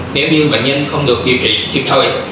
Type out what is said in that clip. nếu như bệnh nhân không được điều trị kịp thời